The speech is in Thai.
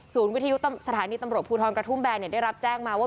สถานีตำรวจภูทรกระทุ่มแบนได้รับแจ้งมาว่า